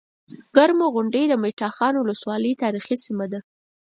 کرمو غونډۍ د مټاخان ولسوالۍ تاريخي سيمه ده